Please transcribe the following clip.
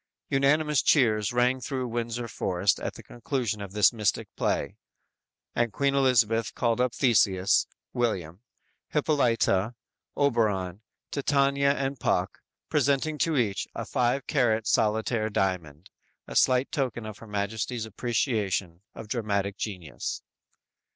"_ Unanimous cheers rang through Windsor forest at the conclusion of this mystic play, and Queen Elizabeth called up Theseus (William), Hippolyta, Oberon, Titania and Puck, presenting to each a five carat solitaire diamond a slight token of Her Majesty's appreciation of dramatic genius.